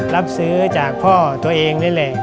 รับซื้อจากพ่อตัวเองนี่แหละ